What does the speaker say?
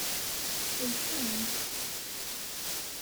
Tsuref-am?